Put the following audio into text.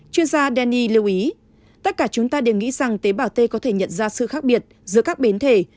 chuyên gia danny lưu ý tất cả chúng ta đều nghĩ rằng tế bảo t có thể nhận ra sự khác biệt giữa các biến thể